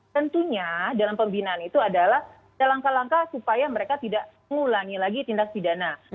tentunya dalam pembinaan itu adalah langkah langkah supaya mereka tidak mengulangi lagi tindak pidana